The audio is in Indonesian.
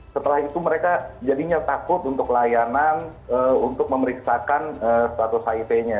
setelah itu mereka jadinya takut untuk layanan untuk memeriksakan status hiv nya